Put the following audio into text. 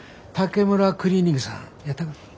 竹村クリーニングさんやったか？